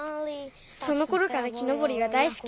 そのころから木のぼりが大すき。